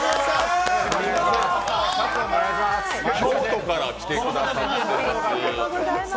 京都から来てくださっています。